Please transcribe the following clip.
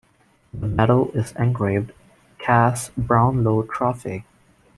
The Medal is engraved, "Chas Brownlow Trophy".